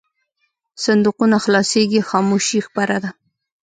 صندوقونه خلاصېږي خاموشي خپره ده.